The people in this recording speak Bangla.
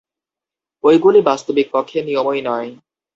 ঐগুলি বাস্তবিক পক্ষে নিয়মই নয়।